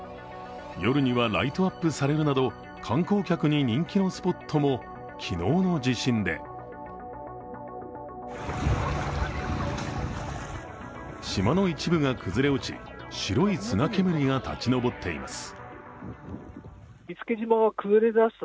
夜にはライトアップされるなど観光客に人気のスポットも昨日の地震で島の一部が崩れ落ち、白い砂煙が立ち上っています。